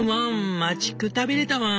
待ちくたびれたワン。